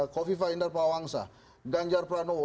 kofi faindar pawangsa ganjar pranowo